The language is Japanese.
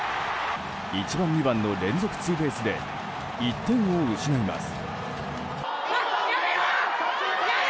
１番、２番の連続ツーベースで１点を失います。